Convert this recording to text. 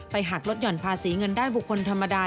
หักลดหย่อนภาษีเงินได้บุคคลธรรมดา